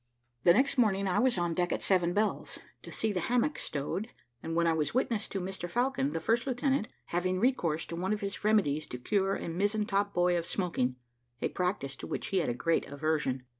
The next morning I was on deck at seven bells, to see the hammocks stowed, when I was witness to Mr Falcon, the first lieutenant, having recourse to one of his remedies to cure a mizen top boy of smoking, a practice to which he had a great aversion.